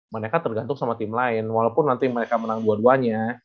mereka tergantung sama tim lain walaupun nanti mereka menang dua duanya